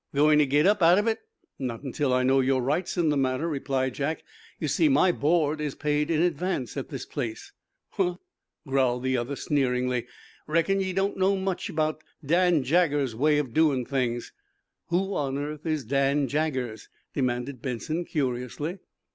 "Going to get up out of it?" "Not until I know your rights in the matter," replied Jack. "You see, my board is paid in advance at this place." "Huh!" growled the other, sneeringly. "Reckon ye don't know much 'bout Dan Jaggers's way of doin' things." "Who on earth is Dan Jaggers?" demanded Benson, curiously.